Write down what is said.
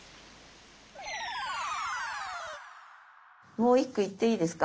もう一句いっていいですか？